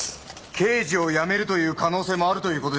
刑事を辞めるという可能性もあるということですか？